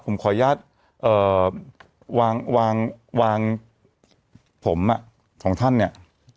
ผมขออนุญาตเอ่อวางวางวางผมอ่ะของท่านเนี้ย